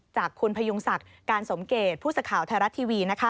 จากคุณพยุงศักดิ์การสมเกตผู้สื่อข่าวไทยรัฐทีวี